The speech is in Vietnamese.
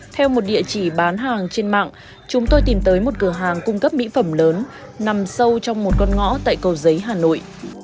theo một địa chỉ bán hàng trên mạng chúng tôi tìm tới một cửa hàng cung cấp mỹ phẩm lớn nằm sâu trong một con ngõ tại cầu giấy hà nội